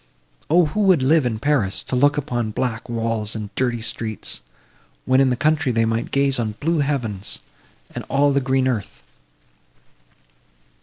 O, who would live in Paris, to look upon black walls and dirty streets, when, in the country, they might gaze on the blue heavens, and all the green earth!"